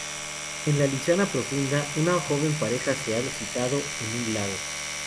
En la Luisiana profunda, una joven pareja se ha citado junto a un lago.